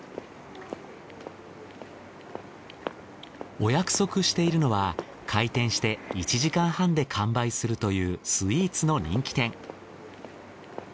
お約束しているのは開店して１時間半で完売するというスイーツの人気店。